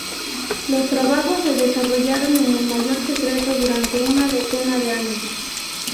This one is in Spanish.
Los trabajos se desarrollaron en el mayor secreto durante una decena de años.